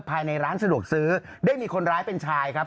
ภายในร้านสะดวกซื้อได้มีคนร้ายเป็นชายครับ